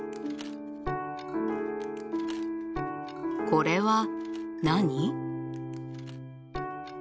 これは何？